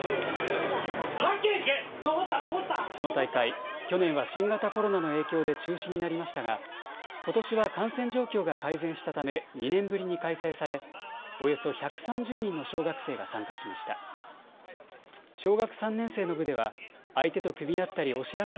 この大会、去年は新型コロナの影響で中止になりましたがことしは感染状況が改善したため２年ぶりに開催されおよそ１３０人の小学生が参加しました。